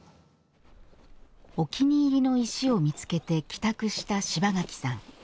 お気に入りの石を見つけて帰宅した柴垣さん。